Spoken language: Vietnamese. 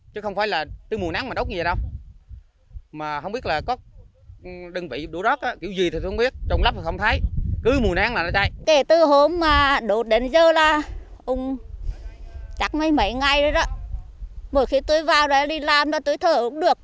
đó mà đột đến giờ là chắc mấy ngày nữa đó mỗi khi tôi vào đi làm tôi thở cũng được